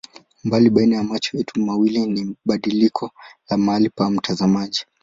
Umbali baina ya macho yetu mawili ni badiliko la mahali pa mtazamaji.